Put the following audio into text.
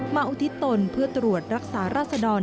อุทิศตนเพื่อตรวจรักษาราษดร